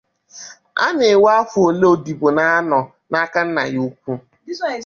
a n-enwe afọ ole odibo na-anọ n’aka nna ya ukwu